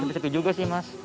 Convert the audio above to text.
sepi sepi juga sih mas